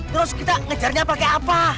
terus kita ngejarnya pakai apa